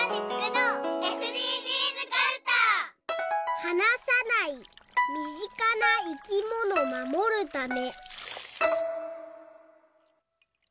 「はなさないみぢかないきものまもるため」